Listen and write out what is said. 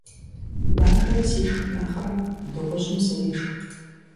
Бажэм сишх нэхърэ дыгъужьым срешх.